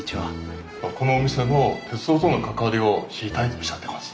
このお店の鉄道との関わりを知りたいとおっしゃってます。